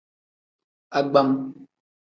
Agbam.